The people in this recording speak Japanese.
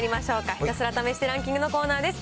ひたすら試してランキングのコーナーです。